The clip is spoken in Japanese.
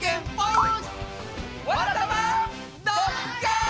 「わらたまドッカン」！